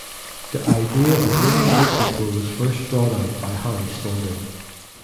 The idea of making this sequel was first brought out by Harry Spalding.